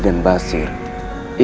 suara suara suara